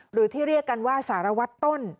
หรือที่เรียกกันว่าสารวัตรต้น